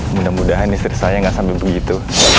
mudah mudahan istri saya gak sambil begitu